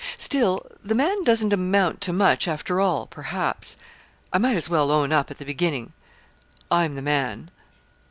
"Still, the man doesn't amount to much, after all, perhaps. I might as well own up at the beginning I'm the man."